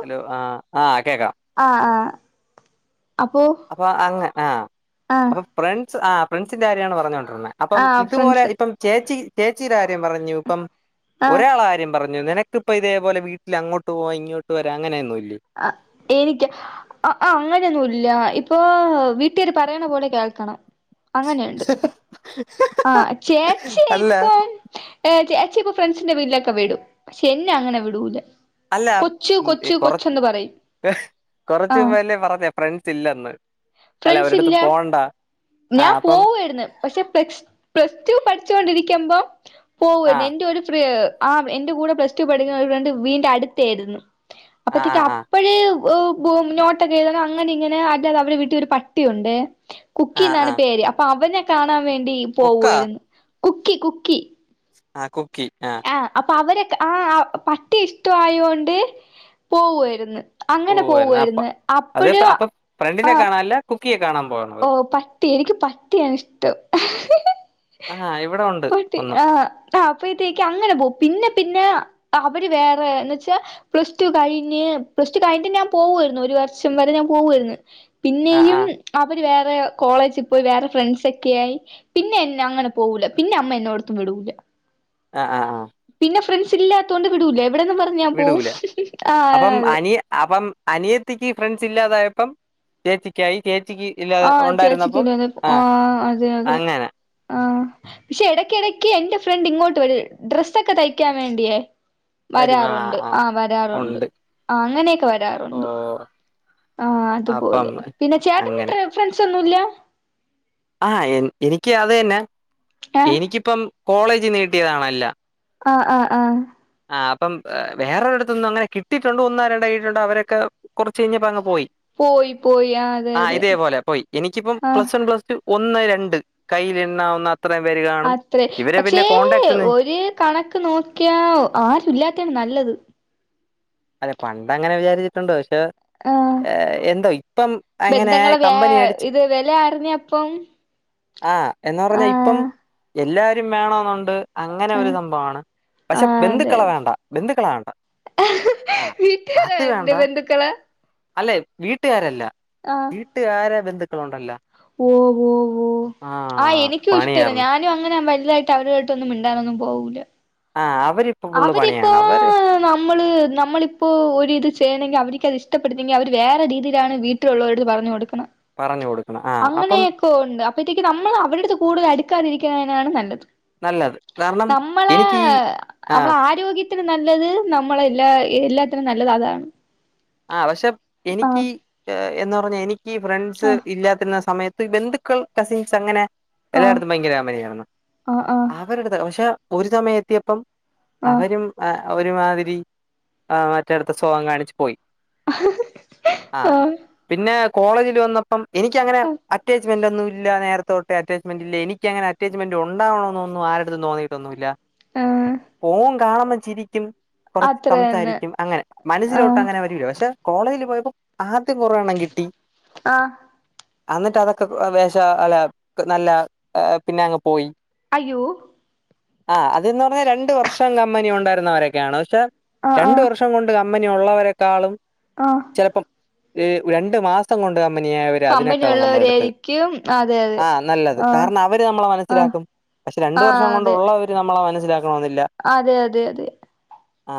Hello ആ... ആ.. കേക്കാം അ.. ആ.. അപ്പൊ, അങ്ങ് ആ.. ആഹ് അപ്പൊഫ്രണ്ട് ആ, ഫ്രണ്ട്സിന്റെ കാര്യാണ് പറഞ്ഞോണ്ട് അപ്പം ആഹ് ഇതുപോലെ ഫ്രണ്ട്സ് ഇപ്പം ചേച്ചി ചേച്ചിയൊരു കാര്യം പറഞ്ഞു, ഇപ്പം ആഹ് ഒരാളെ കാര്യം പറഞ്ഞു നിനക്കിപ്പോ ഇതേപോലെ വീട്ടില് അങ്ങോട്ട്പോവാം ഇങ്ങോട്ടുവരാം ങ്ങനെയൊന്നുല്ലെ ആ.. എനിക്ക് ആ.. അങ്ങനെയൊന്നുമില്ല, ഇ ഇപ്പൊ വീട്ടി കുട്ടികള് പറയണപോലെ കേൾക്കണം, അങ്ങനെയുണ്ട്. ആ.. അല്ല ചേച്ചിയിപ്പം ഏ.. ചേച്ചിയിപ്പം ഫ്രണ്ട്സിന്റെ വീട്ടിലൊക്കെവിടും. പക്ഷേ യെന്നെയങ്ങനെ വിടൂല. അല്ല, കൊച്ചു ഈ കൊച്ചു കൊറ കൊച്ചെന്ന് പറയും കൊറച്ചുമുമ്പല്ലേ പറഞ്ഞേ ഫ്രണ്ട്സില്ലെന്ന് ഫ്രണ്ട്സില്ല. ഞാൻ ആഹ് അപ്പം പോവുവായിരുന്നു, പക്ഷേ പ്ലസ്, പ്ലസ്ടു പഠിച്ചു കൊണ്ടിരിക്ക പഠിക്കുമ്പം പോവുവായിരുന്നു, ആഹ് എന്റെയൊരു ഫ്ര ആ.. എന്റെ കൂടെപ്ലസ്ടു പഠിക്കുന്ന ഒരുഫ്രണ്ട്‌ വീടിന്റെ അടുത്തായിരുന്നു. ആഹ് അപ്പളത്തേക്ക്, ആഹ് ആഹ് അപ്പഴേയും ഓ.. പോം... നോട്ടൊക്കെയെഴുതണം. അങ്ങനെയിങ്ങനെ അല്ലാതെ അവരുടെ വിട്ടിൽ ട്ടിൽ ഒരു പട്ടിയുണ്ടേ ആഹ് കുക്കിയെന്നാണ് ആഹ് പേര് അപ്പൊ അവന് കാണാൻ വേണ്ടി കുക്കാ പോകുവായിരുന്നു. കുക്കി, കുക്കി ആക്കും ആ.. അപ്പൊ അവര് ആ പട്ടി ഇഷ്ട ആയൊണ്ട് പോവുവായിരുന്ന് ഓ അങ്ങനെ വരുന്ന അപ്പ പോവുവായിരുന്ന്, അത് അപ്പഴ് അപ്പൊ ആ ഫ്രണ്ടിനെ കാണാനല്ല കുക്കിയെ കാണാൻ പോകണം ഓ പട്ടി എനിക്ക് പട്ടിയാണിഷ്ടം. ആഹ് ഇവിടെ ഉണ്ട് പട്ടി ഒന്ന് ആഹ് ആ അപ്പയ്ത്തേക്ക് അങ്ങനെ പോവും പിന്നെ പിന്നെ അവര് വേറെ എന്ന് വെച്ചാ പ്ലസ് ടു കഴിഞ്ഞ് പ്ലസ് ടു കഴിഞ്ഞിട്ട് ഞാൻ പോവുരുന്നു ഒരു വർഷം വരെ ഞാൻ പോവുയിരുന്നു ആഹ് പിന്നെയും ആഹ് ര് വേറെ കോളേജിൽ പോയി വേറെ ഫ്രണ്ട്സ ഒക്കെ ആയി പിന്നെ എന്നെ അങ്ങനെ പോകൂല പിന്നെ അമ്മ എന്നോടത്തും വിടൂല ആഹ ആ ആഹ് പിന്നെ ഫ്രണ്ട്സ് ഇല്ലാത്തോണ്ട് വിടൂല എവിടെന്നും പറഞ്ഞ് ഞാൻ പോവും വിടൂല ആ അപ്പം അതെ അനിയ അപ്പം അനിയത്തിക്ക് ഫ്രണ്ട് സില്ലാതായപ്പം ചേച്ചക്കായി ചേ ആഹ ചേച്ചിക്കില്ലാഞ്ഞപ്പൊ അതെ ആ അതെ അതെ അങ്ങനെ ആ പക്ഷെ ഇടക്ക ഇടക്ക് എന്റെ ഫ്രണ്ട് ഇങ്ങോട്ട് വര് ഡ്രസ്സൊക്കെ തയ്ക്കാൻ വേണ്ടിയേ വരും ആഹ് വരാറൊണ്ട് ആഹ് ആ വരാറൊണ്ട് ഉണ്ട് ആ അങ്ങനെയൊക്കെ ഓ വരാറൊണ്ട് ആ അപ്പം അതുപോലെ പിന്നെ അങ്ങനെ ചേട്ടൻട്ര ഫ്രണ്ട്സ് ഒന്നുല്ല ആഹ് എ എനിക്ക് അത് തന്നെ ഏഹ് എനിക്കിപ്പം കോളേജ് നീട്ടിയതാണല്ല ആഹ ആഹ ആഹ ആ അപ്പം വേറൊരെടുത്തൊന്നും അങ്ങനെ കിട്ടീട്ടൊണ്ട് ഒന്നോ രണ്ടൊയിട്ടൊണ്ട് അവരൊക്കെ കുറച്ച് കഴിഞ്ഞ പോയി പോയി പോയി ആഹ് അതെ ആ അതെ ഇതേ പോലെ പോയി എനിക്കിപ്പം ആഹ് പ്ലസ് വൺ പ്ലസ് ടു ഒന്ന് രണ്ട് കയ്യിൽ എണ്ണാവുന്ന അത്രേ പക്ഷേ ഒന്നും ഒരു കണക്ക് നോക്കിയ ആരു ഇല്ലാത്തയാണ് നല്ലത് അല്ല പണ്ടങ്ങനെ വിചാരിച്ചിട്ടുണ്ട പക്ഷെ ആഹ എന്തോ ഇപ്പം അങ്ങനെ ബന്ധങ്ങളെ വെ കമ്പനി അടിച്ച് ഇത് വെല അറിഞ്ഞപ്പം ആഹ എന്നാ പറഞ്ഞാ ഇപ്പം ആഹ് എല്ലാരും വേണമെന്നുണ്ട് അങ്ങനെ ഒരു ആഹ് സംഭവാണ് പക്ഷെ ആഹ് അതെ ബന്ധുക്കളെ വേണ്ട ബന്ധുക്ക ണ്ട വീട്ടാര എന്റെ ബന്ധുക്കള് അല്ലെ വീട്ടുകാരല്ല വീട്ട്കാരാ [unintelligible] [unintelligible] ഓ ഓ ഓ ആ എനിക്കും ഇഷ്ടമല്ല പണിയാർന്നു ഞാനും അങ്ങനെ വലു തായിട്ട് അവരുവായിട്ടൊന്നും മിണ്ടാനൊന്നും പോവൂല്ല ആഹ് അവരിപ്പോ നമ്മള് നമ്മളിപ്പോ ഒരിത് ചെയ്യണങ്കി അവരി ക്കതിഷ്ടപ്പെടുന്നെങ്കി അവര് വേറെ രീതിയിലാണ് വീലുള്ളവരടടുത്ത് പറഞ്ഞു കൊടുക്കു ന്ന് പറഞ്ഞു കൊടുക്കണം ആ അപ്പം അങ്ങനെയൊക്കെ ഉണ്ട് അപ്പഴത്തേക്ക് നമ്മൾ അവരടടുത്ത് കൂടുതലടു ക്കാതിരിക്കാനാണ് നല്ലത് നല്ലത് കാരണം എനിക്കീ ആഹ്. നമ്മളാരോഗ്യ ത്തിന് നല്ലത് നമ്മളെ എല്ലാ എ എല്ലാത്തിനും നല്ലതതാണ്. ആ പക്ഷെ എനിക്കീ എ എന്നൊ പൊ ന്നെനി ക്കി ഫ്രണ്ട്സ് ആഹ് ഇല്ലാത്തിനസ് സമയത്ത് ബന്ധുക്കൾ കസിൻസ് അങ്ങനെ ആഹ് എല്ലായിടത്തും ഭയങ്കര കമ്പനിയാരുന്നു ആഹ് ആഹ് ആവരടുത്ത് പക്ഷെ ഒരു സമയെത്തിയപ്പം അവരും അ ഒരുമാതിരി ആ മറ്റടുത്തെ സ്വഭാവം കാണിച്ച്പോയി ആ ആഹ് പിന്നെ കോളേജില് വന്നപ്പം എനിക്ക് അങ്ങനെ അറ്റാച്ച്മെന്റൊന്നും ഇല്ല നേരത്തെ തൊട്ടെ അറ്റാച്ച്മെന്റില്ല എനിക്കങ്ങനെ അറ്റാച്ച്മെന്റുണ്ടാവണൊന്നൊന്നും ആരടത്തും തോന്നിട്ടൊന്നുല്ല ആഹ് ഫോൺ കാണുമ്പ ചിരിക്കും കുറച്ച് അത്ര തന്നെ സംസാരിക്കും അങ്ങനെ മനസ്സിലോട്ട് ആഹ് അങ്ങനെ വെ പക്ഷെ കോളേജില് പോയപ്പോ ആ [unintelligible] കൊറേയെണ്ണം കിട്ടി ആഹ് അന്നിട്ട് അതൊക്കെ വെ വേഷ അല്ല നല്ല അ പിന്നങ്ങ് പോയി അയ്യോ ആ അതന്ന് പറഞ്ഞാ രണ്ട് വർഷം കമ്പനി ഉണ്ടായിരുന്നവരൊക്കെയാണ് പക്ഷെ ആഹ് രണ്ട് വർഷം കൊണ്ട് കമ്പനിയുള്ളവരെ കാളും ആ ഏ രണ്ടു മാസം കൊണ്ട് കമ്പിനിയായവര് കമ്പനി അതിനെക്കാളും നമ്മളടുത്ത് ഉള്ളവരായിരിക്കും അതെ അതെ ആ് നല്ലത് ആഹ് കാരണം അവര് നമ്മളെ ആഹ് മനസ്സിലാക്കും പക്ഷെ രണ്ട് ആഹ് വർഷം അതെ കൊണ്ടുള്ളവര് നമ്മളെ മനസ് അതെ അതെ അതെ ആ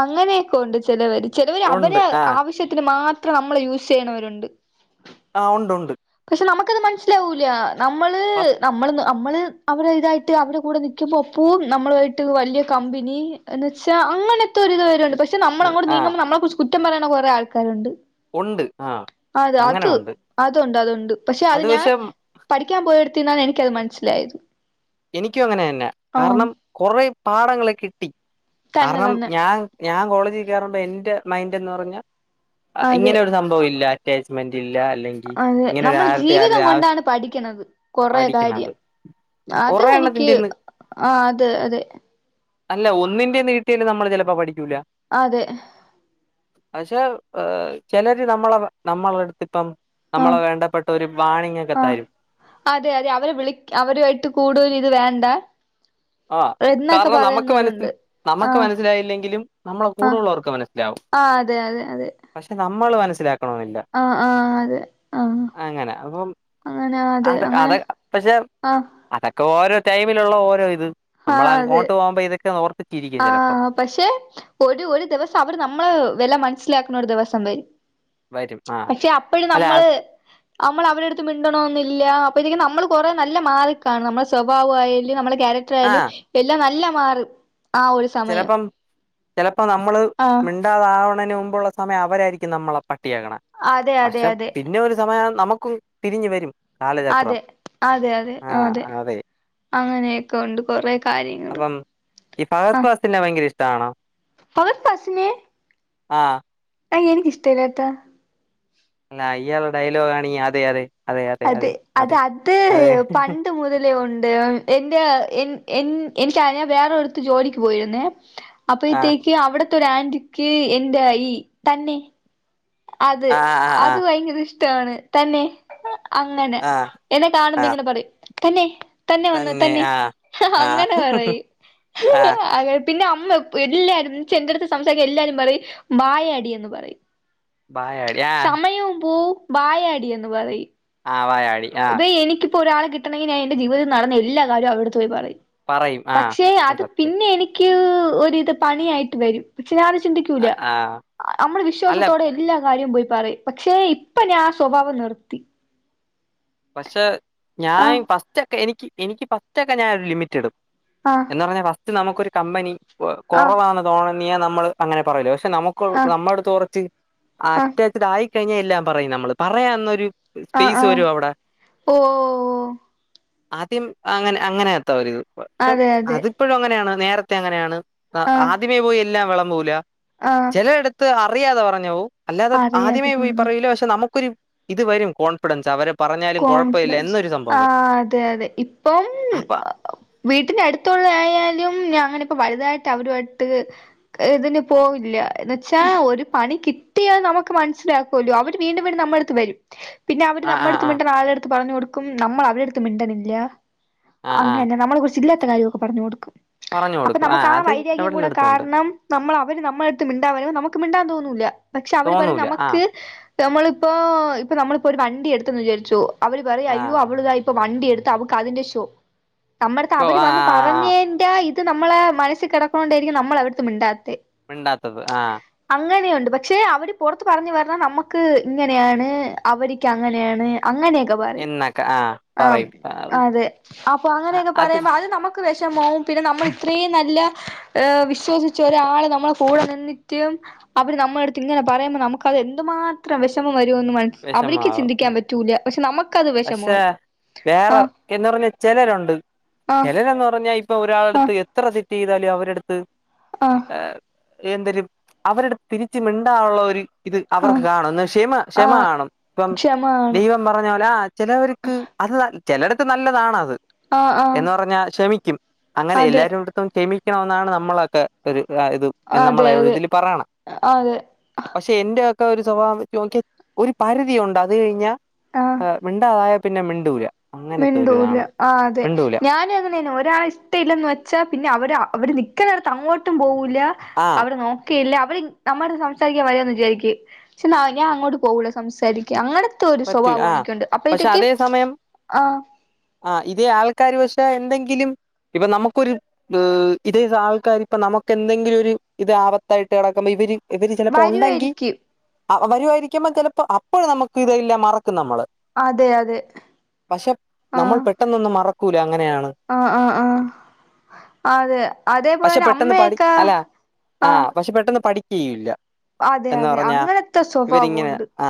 അങ്ങനെയൊക്കെയൊണ്ട് ചെലവര് ചിലവരവരെ ഉണ്ട് ആ ആവശ്യത്തിന് മാ ത്ര നമ്മള് യൂസ് ചെയ്യണവരുണ്ട് ആ ഉണ്ട് ഉണ്ട് പക്ഷെ നമുക്കത് മനസ്സിലാവൂല നമ്മള് നമ്മൾ നമ്മള് അവടെ ഇതായിട്ട് അവടെ കൂടെ നിക്കുമ്പോ ഒപ്പവും നമ്മളുമായിട്ട് വലിയ കമ്പനി എന്ന് വെച്ചാ അങ്ങനത്തെ ഒരുരിത് വരുണ്ട് പക്ഷെ നമ്മളങ്ങോട് ആ നീങ്ങ നമ്മള കുച്ച് കുറ്റം പറയണ കുറേ ആൾക്കാരുണ്ട് ഉണ്ട് ആഹ അങ്ങനെ ഉണ്ട് ണ്ട് അതൊണ്ട് പക്ഷെ അത് ഞാൻ പഠിക്കാൻ പോയ നാൻ എനിക്കത് മനസ്സിലായത് എനിക്കും അങ്ങനെ തന്നെ ആ കാരണം കൊറെ പാഠങ്ങളെ കിട്ടി തന്നെ കാരണം തന്നെ ഞാൻ ഞാൻ കോളേജ് ക്കേറുമ്പോ എന്റെ മൈൻഡ ന്ന് പറഞ്ഞ അതെ ഇങ്ങനെ ഒരു സംഭവം ഇല്ല മ [unintelligible] അതെ നമ്മൾ ജീവിതം ആരുടെ ആവശ്യ കൊണ്ടാണ് പഠിക്കണത് കൊറെ പഠിക്കണത് കാര്യം അത് കൊറേ എനിക്ക് എണ്ണത്തിന്റെന്ന് ആഹ അതെ അതെ അല്ല ഒന്നിന്റെ നീട്ടല് നമ്മള് ചിലപ്പോ പഠിക്ക അതെ പക്ഷെ ചിലര് നമ്മളെ നമ്മള എടുത്തി ആ ഒക്കെ ആ തരും. അതെ അതെ അവരെ വിളി അവരു ആയിട്ട് കൂടുതൽ ഇത് വേണ്ട ആ എന്നൊക്കെ കാരണം നമുക്ക് മനസ്സിൽ പറയുന്നവരുണ്ട് ആനമക്ക് ആഹ് മനസ്സിലായില്ലെങ്കിലും നമ്മളെ ആഹ് കൂടെള്ളവർക്ക് മനസ്സിലാവും ആഹ് പക്ഷെ നമ്മ നമ്മൾ മനസിലാക്കും ആഹ ആഹ അതെ ആഹ അങ്ങനെ അപ്പം അങ്ങനെ അതെ അത് അങ്ങനെ അത് പക്ഷെ ആഹ അതൊക്കെ ഓരോ ടൈമിലുള്ള ഓരോ ഇത് നമ്മൾ ആഹ അതെ അങ്ങോട്ട് പോകുമ്പോ ഇതൊക്കെ ഓർത്ത് ചിരിക്കും ചിലപ്പം ആഹ പക്ഷെ ഒരു ഒരു ദിവസം അവര് നമ്മളെ വില മന ലാക്കുന്ന ഒരു ദിവസം വരും വരും ആ പക്ഷെ അപ്പഴും അല്ല നമ്മള് അത് നമ്മൾ അവരുടെടുത്ത് മിണ്ടണ എന്നില്ല അപ്പൊ ഇതൊ നമ്മൾ കുറേ നല്ല മാർക്കാണ് നമ്മെ സ്വഭാവ ആയാലും നമ്മള ത്രാലും എല്ലാം നല്ല മാറും ആ ഒരു സമയം ചെലപ്പം ചെലപ്പോ നമ്മള് ആഹ് മിണ്ടാതാവണന് മ്പോള്ള സമയം അവരായിരിക്കും നമ്മളപ്പഴ് അതെ അതെ ട്ടിയേക്കണപക്ഷെ അതെ പിന്നെ ഒരു സമയം നമുക്കും തിരിഞ്ഞു വരും. കാലചക്രം അതെ അതെ അതെ അതെ അങ്ങനെയൊക്കെ ഉണ്ട് കൊറെ കാര്യങ്ങള് അപ്പം ഈ ഫഹദ് ഫാസിലിനെ ഭയങ്കര ഇഷ്ടം ടാണോ ഫഹദ് ഫാസിലിനെ ആഹ് ആ എനിക്ക് ഇഷ്ടല്ലാട്ട. അല്ല അയാള ഡയലോഗാണെങ്കി അതെ അതെ അതെ അതെ അത അതെ അത് അതെ അത് അതെ പണ്ട് മുതലേ ഉണ്ട് എന്റെ എൻ എൻ റിയവേറൊരിടത്ത് ജോലിക്ക് പോയിരുന്നേ ആ അപ്പഴത്തേക്ക് അവിടെ ടുത്തൊരാന്റിക്ക് എന്റെ ഈ തന്നേ അത് ആ ആ ആ അത് ഭയങ്കര ഇഷ്ട ഇഷ്ടാണ് തന്നെ അങ്ങനെ ആ എന്നെ കാണുമ്പ ആ ഇങ്ങനെ പറയും. തന്നെ തന്നെ വന്നു തന്നെ ആ അങ്ങനെ പറയും ആഹ് അ പിന്നെ അമ്മ എല്ലാരും ചെ എന്റ അടുത്ത് സംസാരിക്കാൻ എല്ലാരും പറയും വായാടി എന്ന് പറയും. വായാടി ആഹ് സമയവും പോവും. വായാടിയെന്ന് പറി ആഹ് വായാ ബെ എനിക്ക് ഇപ്പോ ഒരാളെ കിട്ടണെങ്കി ഞാൻ എന്റെ [unintelligible] നടന്ന എല്ലാ കാര്യൊ അവരട്ത്ത് പോയി പറയ് പറയും ആഹ് പക്ഷെ അത് സത്യം പിന്നെ എനിക്ക് ക്ക് ഒരിത് പണിയായിട്ട് വരും. ക്ഷെ ഞാൻചിന്തിക്കൂല ആഹ് നമ്മുടെ അല്ല വിശ്വാസത്തോടെ എല്ലാം കാര്യം പോയി പറയും പക്ഷെ ഇപ്പൊ ഞാ ആ സ്വഭാവം നിർത്തി. പക്ഷ ഞാൻ ആഹ് ഫസ്റ്റ് ഒക്കെ എനിക്ക് എനിക്ക് ഫസ്റ്റൊക്കെ ഞാനൊരു ലിമിറ്റ് ഇടും. ആഹ് എന്നാ പിന്നെ ക്ലാസ് നമുക്കൊരു കമ്പനി ആഹ് കുറവാണ് തോണെ ണിയാ നമ്മൾ അങ്ങനെ പറയല്ലോ പഷെ പക്ഷെ നമുക്ക് ആഹ് നമ്മളടുത്ത് കൊറച്ച് ആഹ് അറ്റാച്ചഡ് ആയി കഴിഞ്ഞാൽ എല്ലാം പറയും നമ്മള് പറയാന്നൊരു സ്പേസ് വരും അവിടെ ഓഹ് ആദ്യം അങ്ങനെ അങ്ങനെ എത്ത അവരിത് പക്ഷെ അതെ അതെ അതിപ്പഴും അങ്ങനെയാണ് നേര ത്തെ അങ്ങനെയാണ് ആ ആഹ് ആദ്യമേ പോയി എല്ലാം വെള പോവൂല ആഹ് ചില ഇടത്ത് അ റിയാതെ പറഞ്ഞോവും അല്ലാതെ അറിയാ അത് ആദ്യമേ പോയി പറഞ്ഞു പറയൂല പക്ഷെ നമു ക്കൊരു ഇത് വരും കോൺഫിഡൻസ് അവരെ കോൺഫിഡൻസ് ആ അതെ അതെ ഇപ്പം അപ്പ വീട്ടിന്റെ അടുത്തുള്ള ആയാലും ഞാന് പ്പ വലുതായിട്ട് അവരു ആയിട്ട് ഇതിന് പോവില്ല ന്ന് വച്ചാ ഒരു പണി കിട്ടിയത് നമുക്ക് മനസ്സിലാക്കുവല്ലോ അവര് വീണ്ടും വീണ്ടും നമ്മുടെ അടുത്ത് വരും പിന്നെ അവര് ആഹ് നമ്മട് ആഹ് ആഹ് ളട്ത്ത് പറഞ്ഞ് കൊടുക്കും നമ്മൾ അവര്ടെടുത്ത് മിണ്ടണില്ല്യ ആഹ് ആഹ് അങ്ങന്നെ നമ്മള് കുറിച്ച് ഇല്ലാത്ത കാര്യക്കെ പറഞ്ഞ് കൊടുക്കും പറഞ്ഞു അപ്പൊ കൊടുക്കും. നമുക്ക് ആഹ് ആ അത് വൈരാഗ്യം കൂടെ എവിടെല്ലോടത്തും ഉണ്ട്. കാരണം നമ്മൾ അവര് നമ്മളടുത്ത് മിണ്ടാവരുമ്പം നമുക്ക് മിണ്ടാൻ തോന്നൂല്ല പക്ഷെ അവര് പറിം തോന്നൂല. നമക്ക് ആഹ് നമ്മളിപ്പോ ഇപ്പൊ നമ്മളിപ്പോ ഒരു വണ്ടി എട് ത്ത്ന്ന് വിചാരിച്ചു അവര് പറയ അയ്യോ ആഹ് അവള്താ ഇപ്പൊ വണ്ടി എടുത്ത് അവക്ക് അതിന്റെ ഷോ നമ്മ്ടത്തെ ശോ അവര് ആഹ് വന്ന് ആഹ് ആഹ് ആഹ് പറഞ്ഞേന്റെ ഇത് നമ്മളെ മനസ്സി കെടക്കണോണ്ടേരിക്കും നമ്മളവരട്ത് മിണ്ടാത്തെ മിണ്ടാത്തത് ആ അങ്ങനെയുണ്ട് പക്ഷെ അവര് ഗതിയുണ്ട് പക്ഷെ അവര് പുറത്ത് പറഞ്ഞു പറഞ്ഞാൽ നമുക്ക് ഇങ്ങനെയാണ് അവർക്ക്ങ്ങ നേണ് അങ്ങനെ ക്കെ പറിം. എന്നൊക്കെ ആഹ് ആ പറയും. അതെ അപ്പൊ അങ്ങനെയൊക്കെ പറയുമ്പ അത് നമ ക്ക് വെഷമാവും പിന്നെ നമ്മൾ ഇത്രീ നല്ല ഹേ വിശ്വസിച്ച ഒരാളെ നമ്മെ കൂടെ നിന്നിട്ടും അവര് നമ്മളടുത്ത് ഇങ്ങനെ പറയുമ്പോൾ നമുക്ക്ത് എന്തുമാത്രം വിഷമം വരുമന്ന് അവർക്ക് വിഷമാവും. ചിന്തിക്കും പറ്റിക്കാൻ ഉം. പറ്റൂല പക്ഷെ നമുക്ക് പക്ഷെ വേറെ എന്ന് പറഞ്ഞാ ചിലരുണ്ട് ആഹ് ചിലരെന്ന് പറഞ്ഞാൽ ഇപ്പൊ ഒരാള അടുത്ത് ആഹ് എത്ര തെറ്റ് ചെയ്താലോ അവരെടുത്ത് ആഹ് ആഹ എന്തെലും അവരുടെ തിരിച്ച മിണ്ടാനുള്ള ഒരു ഇത് അവർക്ക് ആഹ് കാണുംന്ന് ക്ഷമ ക്ഷമ ആഹ് കാണും ഇപ്പം ക്ഷമ ആണ് ദൈവം പറഞ്ഞ പോലെ ചിലർക്ക് അത് ചിലടത്ത് നല്ലതാണ് അത് ആഹ് ആഹ് എന്ന് പറഞ്ഞാ ക്ഷമിക്കും അങ്ങനെ അതെ എല്ലാവരുടെടുത്തും ക്ഷമിക്കും ഇണന്നാണ് നമ്മളൊക്കെ ഒരു ആ ഇത് അതെ നമ്മള അതെ ഇതില് പറയണം അതെ പക്ഷെ എന്റെ ഒക്കെ ഒരു സ്വഭാവം വ ചോക്കിയ ഒരു പരിധിയുണ്ട് അത് കഴിഞ്ഞാൽ ആഹ രണ്ടായ പിന്നെ മിണ്ടൂല അങ്ങനത്തെ മിണ്ടുല ഒരിതാണ് അതെ മിണ്ടൂല ഞൻ അങ്ങനെ ഒരാൾ ഇഷ്ട ഇല്ലന്ന് വെച്ചാ പിന്നെ അവരാ അവര് നൽിക്കണ അടുത്ത് അങ്ങോട്ടും പോക ആ അവിടെ നോക്കിയില്ല നമ്മൾ സംസാരിക്കാൻ വരാന്ന് വിചാരിക്കു പക്ഷെ ഞാൻ അങ്ങോട്ട് പോകൂുള്ള സംസാരിക്ക അങ്ങെ ഒരു സ്വഭാവ് എണിക്കണ്ട് അപ്പഴത്തേക്കും ആ ആഹ ഇതേ ആൾക്കാര് പക്ഷെ എന്തെങ്കിലും ഇപ്പൊ നമുക്കൊരു ഇതേ ആൾക്കാർ ഇപ്പ നമുക്ക് എന്തെങ്കിലും ഒരു ഇത് ആപത്തായിട്ട് കിടക്കുമ്പോ ഇവര് ഇവര് ചിലപ്പോ ഉണ്ടെങ്കി വരുവായിരിക്കും വരുമായിരിക്കുമ്പൾ ചിലപ്പോ അപ്പോഴ നമുക്ക് ഇതല്ല മറ നമ്മൾ അതെ അതെ പക്ഷെ നമ്മൾ പെട്ടെന്നൊന്ന് മറ ക്കൂല ആഹ ആഹ ആഹ അതെ അതേപോലെ പക്ഷെ തന്നെ പെട്ടെന്ന് പഠി അമ്മയൊക്കെ ആഹ ചെയയില്ല അതെ അതെ അങ്ങനത്തെ ഇവരിങ്ങനെ സ്വഭാവംണ്ട് ആ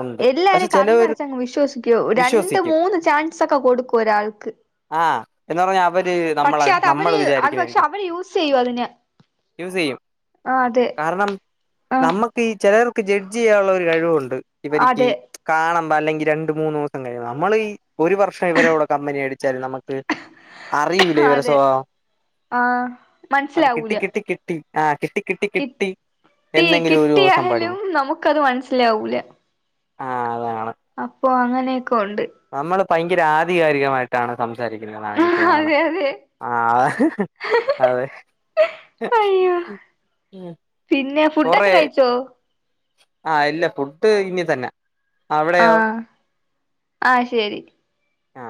ഉണ്ട് പക്ഷെ എല്ലാരേും ചിലവര് കണ്ണടച്ചങ്ങ് വിശ്വസിക്കുവ രണ്ട് വിശ്വസിക്കും മൂന്ന് ചാൻസ് ഒക്കെ കൊടുക്കും ഒരാൾക്ക് പ്പോ അവൻ പക്ഷെ അത് നമ്മൾ അവര് അത് പക്ഷെ വിചാരിക്കരിക്ക അവര് യൂസ് ചെയ്യും അതിന് യസ് ചെയ്യും ആ അതെ കാരണം ആ നമ്മക്ക് ഈ ചിലർ ക്ക് ജഡ് ചെയ്യാനുള്ള ഒരു കഴിവുംുണ്ട് ഇവരിക്ക് അതെ കാണാ അല്ലെങ്കി രണ്ട്, മൂന്നൂസം കഴിയണം. നമ്മളീ ഒരു വർഷം ഇവരടെ കമ്പനി അടിച്ചാല് നമുക്ക് അറിയൂലേ ഇവരെ അതെ സോവാവം. ആ അത് കിട്ടി മനസ്സിലാവൂല കിട്ടി കിട്ടി ആഹ് കിട്ടി കിട്ടി എന്നെങ്കിലും ഒരു ദിവസം കിട്ടിയാലും പഠിക്കും നമുക്ക്ത് മനസ്സിലാവൂല ആ അത അപ്പൊ അങ്ങ ക്കൊണ്ട് നമ്മള് ഭയങ്കര ആധികാരികമായിട്ടാണ് സംം സാരിക്കുന്ന എനിക്ക് പോോന്നണം അതെ അതെ ആ അതെ അയ്യോ പിന്നെ കൊറ ഫുഡൊക്കെ കഴിച്ചോ ആ ഇല്ല ഫുഡ് ഇനി തന്നെ ആ അവിടെയോ ആ ശരി ആ